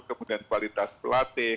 kemudian kualitas pelatih